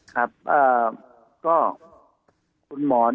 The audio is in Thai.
ครับก็คุณหมอนี่โดนกระแทกครับ